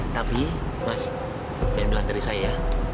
tapi mas jangan jalan dari saya ya